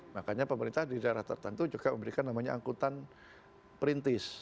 makanya pemerintah di daerah tertentu juga memberikan namanya angkutan perintis